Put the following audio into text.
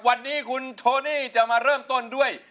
วันนี้คุณโทนี่จะมาเริ่มต้นด้วย